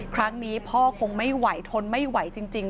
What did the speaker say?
ครั้งนี้พ่อคงไม่ไหวทนไม่ไหวจริง